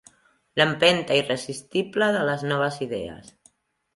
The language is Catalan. L'empenta irresistible de les noves idees.